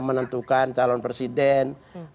menentukan calon presiden